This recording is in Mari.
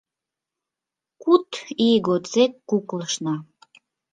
Куд ий годсек куклышна.